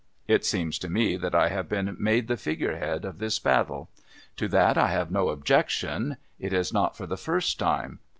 It seems to me that I have been made the figure head of this battle. To that I have no objection. It is not for the first time.